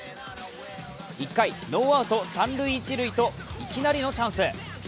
１回、ノーアウト三塁・一塁といきなりのチャンス。